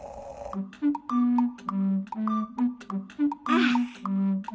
ああ。